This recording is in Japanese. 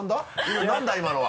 今何だ今のは？